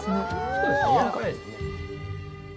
そうですねやわらかいですね。